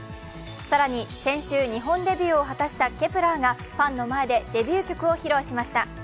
更に、先週、日本デビューを果たしたＫｅｐ１ｅｒがファンの前でデビュー曲を披露しました。